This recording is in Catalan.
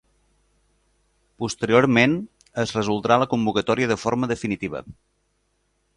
Posteriorment es resoldrà la convocatòria de forma definitiva.